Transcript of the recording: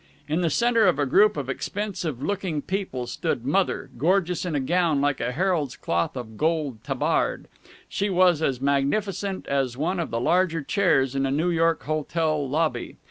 In the center of a group of expensive looking people stood Mother, gorgeous in a gown like a herald's cloth of gold tabard. She was as magnificent as one of the larger chairs in a New York hotel lobby.